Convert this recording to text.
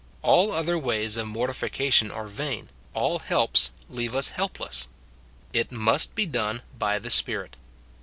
All other ways of mortification are vain, all helps leave us helpless ; it must be done by the Spirit.